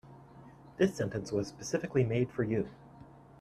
This sentence was specifically made for you.